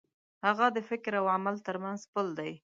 هڅه د فکر او عمل تر منځ پُل دی.